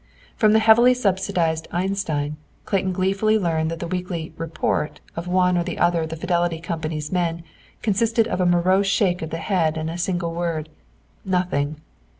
From the heavily subsidized Einstein, Clayton gleefully learned that the weekly "report" of one or the other of the Fidelity Company's men consisted of a morose shake of the head and the single word, "Nothing!"